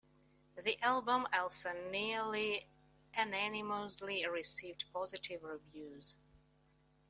The album also nearly unanimously received positive reviews.